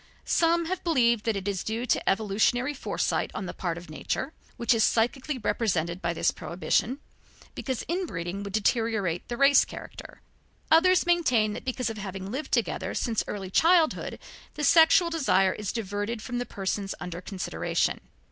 Some have believed that it is due to evolutionary foresight on the part of nature, which is psychically represented by this prohibition, because inbreeding would deteriorate the race character; others maintained that because of having lived together since early childhood the sexual desire is diverted from the persons under consideration.